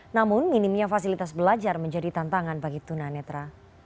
namun minimnya fasilitas belajar menjadi tantangan bagi tuna netra